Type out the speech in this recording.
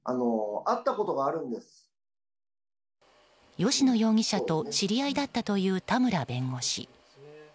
吉野容疑者と知り合いだったという田村弁護士。